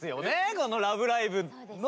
この「ラブライブ！」の。